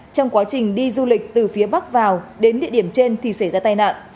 trong quá trình đi du lịch từ phía bắc vào đến địa điểm trên thì xảy ra tai nạn